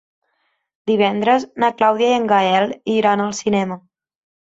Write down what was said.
Divendres na Clàudia i en Gaël iran al cinema.